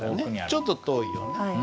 ちょっと遠いよね。